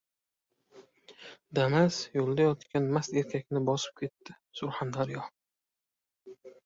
«Damas» yo‘lda yotgan mast erkakni bosib ketdi-Surxondaryo